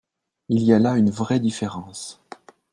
Il y a là une vraie différence.